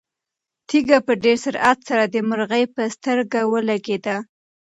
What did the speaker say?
تیږه په ډېر سرعت سره د مرغۍ په سترګه ولګېده.